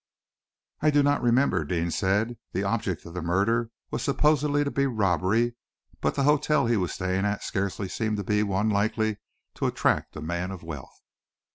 "I do not remember," Deane said. "The object of the murder was supposed to be robbery, but the hotel he was staying at scarcely seemed to be one likely to attract a man of wealth."